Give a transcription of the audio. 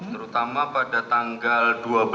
terutama pada tanggal dua belas tiga belas lima belas